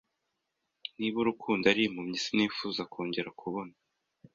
Niba urukundo ari impumyi sinifuza kongera kubona